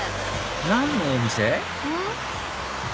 何のお店？